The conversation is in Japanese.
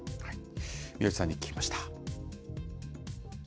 宮内さんに聞きました。